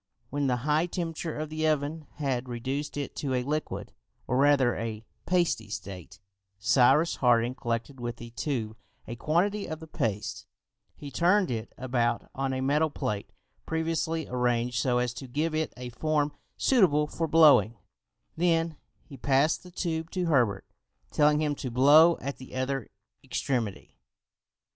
When the high temperature of the oven had reduced it to a liquid, or rather a pasty state, Cyrus Harding collected with the tube a quantity of the paste, he turned it about on a metal plate previously arranged so as to give it a form suitable for blowing, then he passed the tube to Herbert, telling him to blow at the other extremity.